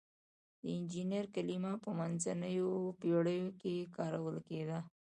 د انجینر کلمه په منځنیو پیړیو کې کارول کیده.